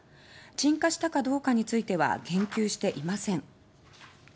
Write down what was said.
鎮火したかどうかについては言及していません。